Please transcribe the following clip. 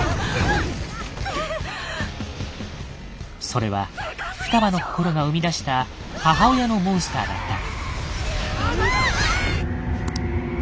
それは双葉の心が生み出した母親のモンスターだった。